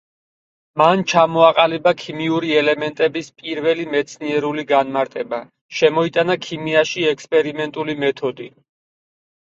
მან ჩამოაყალიბა ქიმიური ელემენტების პირველი მეცნიერული განმარტება, შემოიტანა ქიმიაში ექსპერიმენტული მეთოდი.